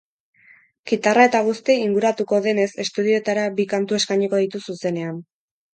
Kitarra eta guzti inguratuko denez estudioetara bi kantu eskainiko ditu zuzenean.